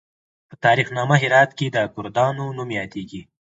په تاریخ نامه هرات کې د کردانو نوم یادیږي.